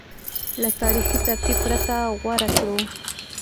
له تاریخي ترتیب پرته غوره کړو